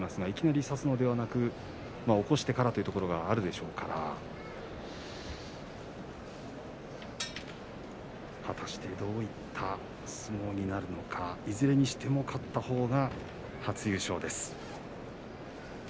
いきなり差すというのではなく起こしてからということがあるんでしょうから果たしてどういった相撲になるのかいずれにしても勝ったほうが初優勝です。